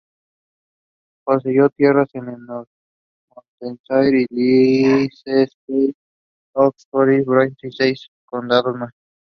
Poseyó tierras en Northamptonshire, Leicestershire, Oxfordshire, Bedfordshire y seis condados más.